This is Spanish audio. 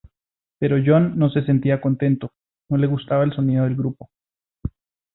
Pero John no se sentía contento, no le gustaba el sonido del grupo.